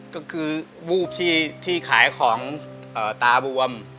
ก็คือวูบที่ขายของตาบวม